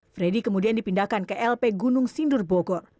freddy kemudian dipindahkan ke lp gunung sindur bogor